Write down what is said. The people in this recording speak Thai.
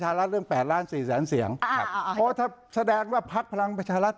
หมดค่ะอาจารย์